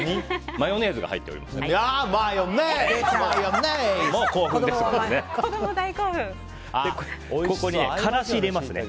マヨネーズが入っておりますからね。